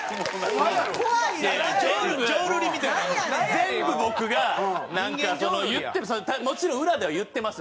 全部僕がなんか言ってるもちろん裏では言ってますよ。